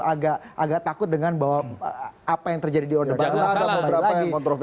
agak takut dengan bahwa apa yang terjadi di orde baru lagi